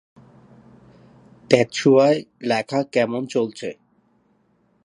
তেতসুয়ার লেখা কেমন চলছে?